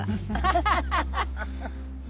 ハハハハッ！